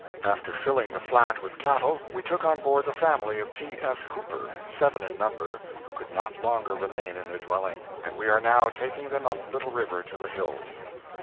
After filling the flat with cattle we took on board the family of T. S. Hooper, seven in number, who could not longer remain in their dwelling, and we are now taking them up Little River to the hills.